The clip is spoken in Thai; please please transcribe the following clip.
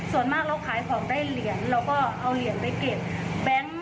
ส่วนมากเราขายของได้เหรียญเราก็เอาเหรียญไปเก็บแบงค์